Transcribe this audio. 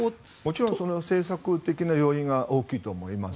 もちろん政策的な要因が大きいと思います。